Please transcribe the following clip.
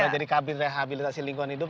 jadi kabinet rehabilitasi lingkungan hidup